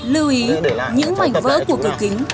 lưu ý những mảnh vỡ của cửa kính